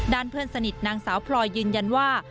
เพื่อนสนิทนางสาวพลอยยืนยันว่า